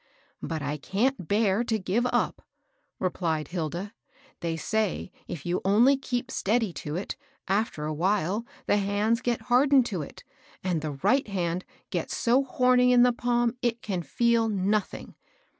" But I can't bear to give up," replied Hilda. " They say if you only keep steady to it, after a while the hands get hardened to it, and the right hand gets so homy in the palm it can feel nothing.